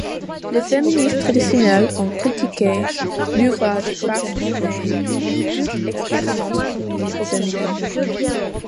Les féministes traditionnelles ont critiqué l'ouvrage parce qu'il nie toute expérience commune féminine.